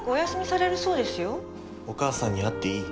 お母さんに会っていい？